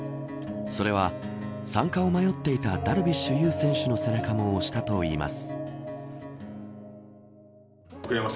それは、参加を迷っていたダルビッシュ有選手の背中も押したといいます。